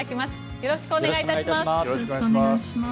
よろしくお願いします。